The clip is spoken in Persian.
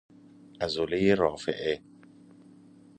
عضله رافعه